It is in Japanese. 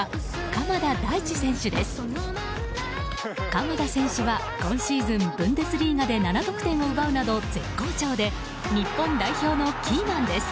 鎌田選手は、今シーズンブンデスリーガで７得点を奪うなど絶好調で日本代表のキーマンです。